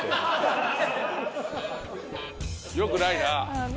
よくないな。